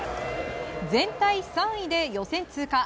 全体３位で予選通過。